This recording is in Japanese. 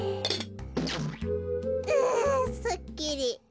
うんすっきり。